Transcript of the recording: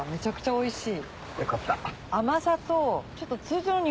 おいしい。